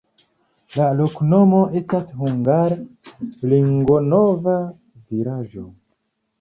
La loknomo estas hungare: ringo-nova-vilaĝo.